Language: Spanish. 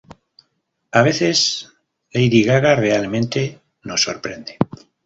A veces, Lady Gaga realmente nos sorprende.